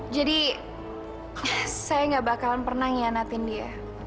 jadi saya gak bakalan pernah ngianatin dia